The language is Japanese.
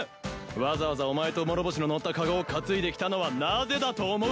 わざわざお前と諸星の乗ったかごを担いできたのはなぜだと思う？